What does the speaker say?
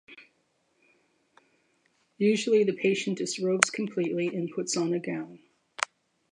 Usually, the patient disrobes completely and puts on a gown.